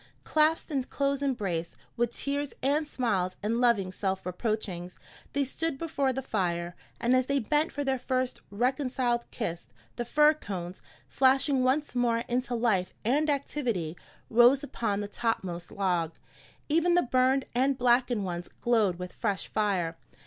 Clasped in close embrace, with tears and smiles and loving self reproachings, they stood before the fire; and as they bent for their first reconciled kiss, the fir cones, flashing once more into life and activity, rose upon the topmost log. Even the burned and blackened ones glowed with fresh fire.